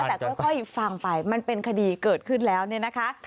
แต่ค่อยฟังไปมันเป็นคดีเกิดขึ้นแล้วเนี่ยนะคะ